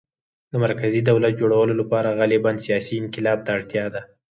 د مرکزي دولت جوړولو لپاره غالباً سیاسي انقلاب ته اړتیا ده